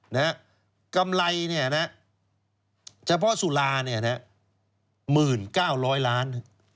นะฮะกำไรเนี่ยนะเฉพาะสุราเนี่ยนะหมื่นเก้าร้อยล้าน